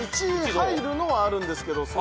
１入るのはあるんですけど。